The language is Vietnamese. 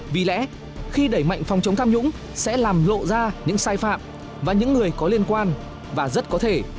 vì lẽ khi đẩy mạnh phòng chống tham nhũng sẽ làm lộ ra những sai phạm và những người có liên quan và rất có thể